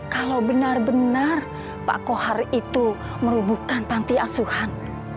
kalau benar benar pak kohar itu merubuhkan panti asuhan